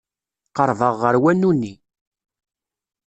Qerrbeɣ ɣer wanu-nni.